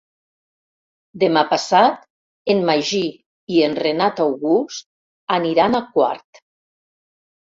Demà passat en Magí i en Renat August aniran a Quart.